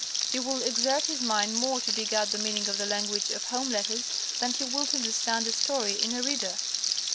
He will exert his mind more to dig out the meaning of the language of home letters than he will to understand a story in a reader.